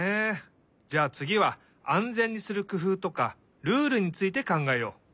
じゃあつぎはあんぜんにするくふうとかルールについてかんがえよう。